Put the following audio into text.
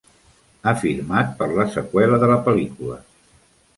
Ha firmat per fer la seqüela de la pel·lícula.